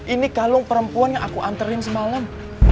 ini kalung perempuan yang aku anterin semalam